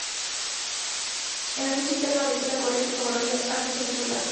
En la lucha interna venció la corriente favorable al Frente Popular.